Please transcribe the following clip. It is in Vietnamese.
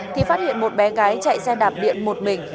thì phát hiện một bé gái chạy xe đạp điện một mình